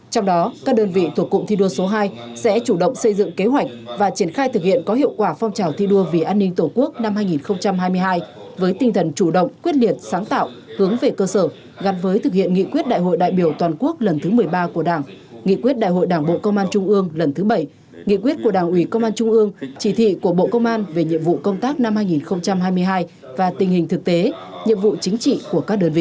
trong đó các đơn vị thuộc cụm thi đua số hai sẽ chủ động xây dựng kế hoạch và triển khai thực hiện có hiệu quả phong trào thi đua vì an ninh tổ quốc năm hai nghìn hai mươi hai với tinh thần chủ động quyết liệt sáng tạo hướng về cơ sở gắn với thực hiện nghị quyết đại hội đại biểu toàn quốc lần thứ một mươi ba của đảng nghị quyết đại hội đảng bộ công an trung ương lần thứ bảy nghị quyết của đảng ủy công an trung ương chỉ thị của bộ công an về nhiệm vụ công tác năm hai nghìn hai mươi hai và tình hình thực tế nhiệm vụ chính trị của các đơn vị